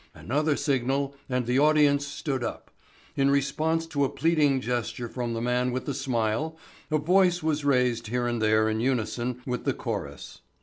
Another signal and the audience stood up. In response to a pleading gesture from the man with the smile a voice was raised here and there in unison with the chorus.